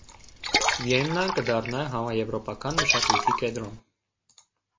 Վիեննան կը դառնայ համաեւրոպական մշակոյթի կեդրոն։